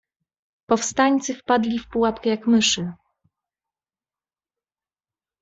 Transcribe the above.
"Powstańcy wpadli w pułapkę jak myszy."